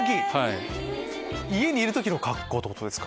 家にいる時の格好ってことですか。